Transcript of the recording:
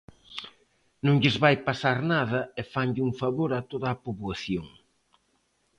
Non lles vai pasar nada e fanlle un favor a toda a poboación.